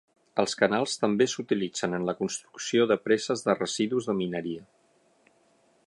Els canals també s'utilitzen en la construcció de preses de residus de mineria.